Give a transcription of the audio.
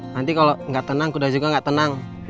nanti kalau nggak tenang kuda juga nggak tenang